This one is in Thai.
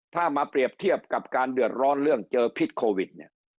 ถ้ามาเปรียบเทียบกับการเดือดร้อนเรื่องเจอพิษโควิดเนี่ย